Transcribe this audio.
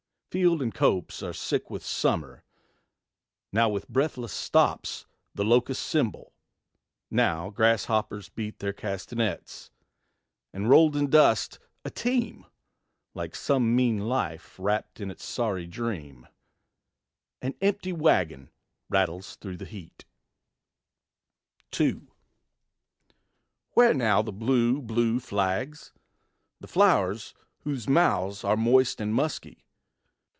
Field and copse Are sick with summer: now, with breathless stops, The locusts cymbal; now grasshoppers beat Their castanets: and rolled in dust, a team, Like some mean life wrapped in its sorry dream, An empty wagon rattles through the heat. II. Where now the blue, blue flags? the flow'rs whose mouths Are moist and musky?